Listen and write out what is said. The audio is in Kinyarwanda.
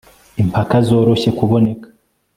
Impaka zoroshye kuboneka